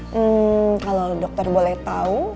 hmm kalau dokter boleh tahu